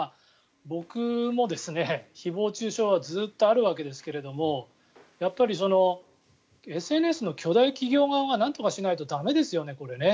僕もですね、誹謗・中傷はずっとあるわけですがやっぱりＳＮＳの巨大企業側がなんとかしないと駄目ですよねこれは。